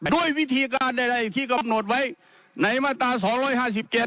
ด้วยวิธีการใดที่กำหนดไว้ในมาตราสองร้อยห้าสิบเจ็ด